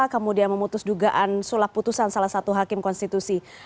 kemudian memutus dugaan sulap putusan salah satu hakim konstitusi